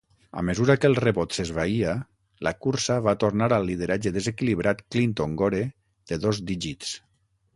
A mesura que el rebot s'esvaïa, la cursa va tornar al lideratge desequilibrat Clinton-Gore de dos dígits.